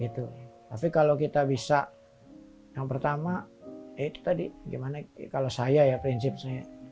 tapi kalau kita bisa yang pertama itu tadi gimana kalau saya ya prinsip saya